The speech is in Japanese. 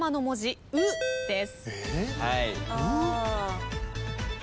・そうです。